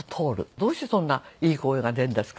「どうしてそんないい声が出るんですか？」